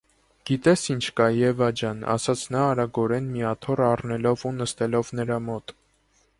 - Գիտե՞ս ինչ կա, Եվա ջան,- ասաց նա, արագորեն մի աթոռ առնելով ու նստելով նրա մոտ: